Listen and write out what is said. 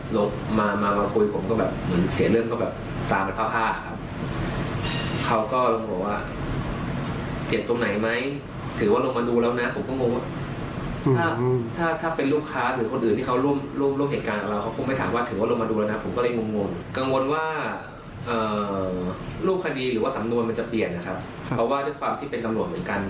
รูปคดีหรือว่าสำนวนมันจะเปลี่ยนนะครับเพราะว่าด้วยความที่เป็นตำรวจเหมือนกัน